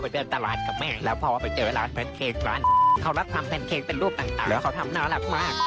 ทุกคนค่ะเชื่อเลยนะว่าเขาจะทำออกมาน่ารักมาก